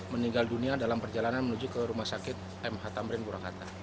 meninggal dunia dalam perjalanan menuju ke rumah sakit mh tamrin purwakarta